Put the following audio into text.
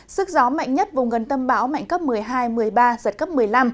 sức gió mạnh nhất vùng gần tâm bão mạnh cấp một mươi hai một mươi ba giật cấp một mươi năm